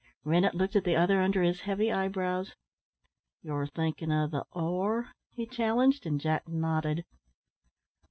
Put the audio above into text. Rennett looked at the other under his heavy eyebrows. "You're thinking of the 'or'?" he challenged, and Jack nodded.